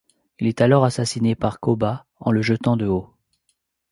Il est alors assassiné par Koba en le jetant de haut.